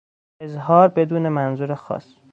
اظهار بدون منظور خاص